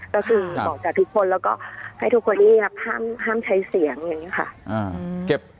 ก็คือบอกจากทุกคนแล้วก็ให้ทุกคนที่ห้ามใช้เสียงอย่างนี้ค่ะ